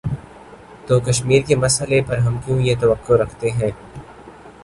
تو کشمیر کے مسئلے پر ہم کیوں یہ توقع رکھتے ہیں۔